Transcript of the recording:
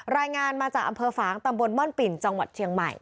รายงานมาจากอำเภอฝางตำบลม่อนปิ่นจังหวัดเชียงใหม่